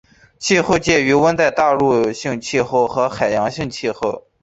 气候介于温带大陆性气候和海洋性气候。